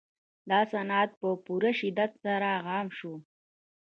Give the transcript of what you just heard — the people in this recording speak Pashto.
دا صنعت په پوره شدت سره عام شو